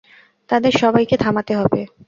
তাদের সবাইকে থামাতে হবে।